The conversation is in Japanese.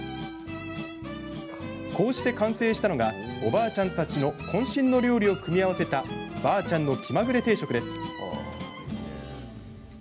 こうして完成したのがおばあちゃんたちのこん身の料理を組み合わせたばあちゃんの気まぐれ定食です。